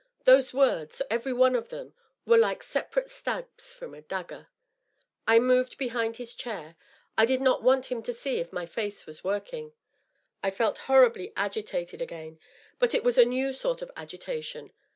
Those words, every one of them, were like separate stabs from a dagger. I moved behind his chair. I did not want him to see if my fiioe was working. I felt horribly agi tated again, but it was a new sort of agitation.